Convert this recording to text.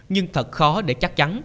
nhưng thật khó để chắc chắn